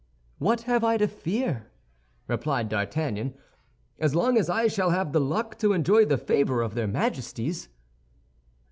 "What have I to fear," replied D'Artagnan, "as long as I shall have the luck to enjoy the favor of their Majesties?"